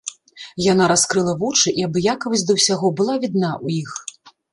Яна раскрыла вочы, і абыякавасць да ўсяго была відна ў іх.